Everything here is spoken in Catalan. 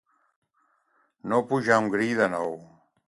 No pujar un grill de nou.